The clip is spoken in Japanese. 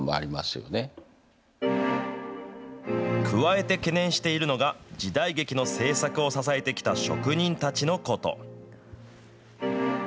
加えて懸念しているのが、時代劇の制作を支えてきた職人たちのこと。